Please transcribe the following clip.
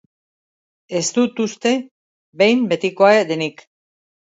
Ez dut uste behin betikoa denik.